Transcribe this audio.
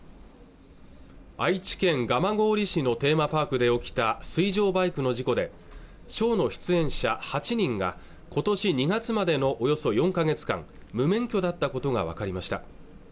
愛知県蒲郡市のテーマパークで起きた水上バイクの事故でショーの出演者８人がことし２月までのおよそ４か月間無免許だったことが分かりました